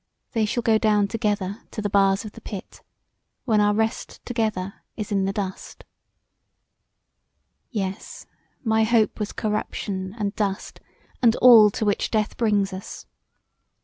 They shall go down together to the bars of the pit, when our rest together is in the dust Yes my hope was corruption and dust and all to which death brings us.